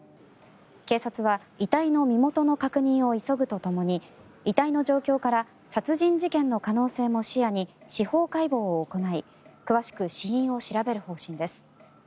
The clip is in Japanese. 警察は遺体の身元の確認を急ぐとともに遺体の状況から殺人事件の可能性も視野に司法解剖を行い詳しく死因を調べる方針です。